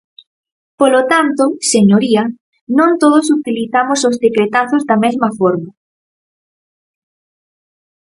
Polo tanto, señoría, non todos utilizamos os decretazos da mesma forma.